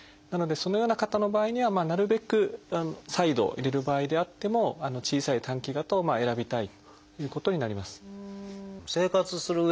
なのでそのような方の場合にはなるべく再度入れる場合であっても小さい短期型を選びたいということになります。